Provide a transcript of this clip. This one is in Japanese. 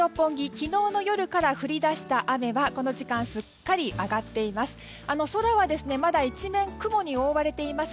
昨日の夜から降り出した雨はこの時間すっかり上がっています。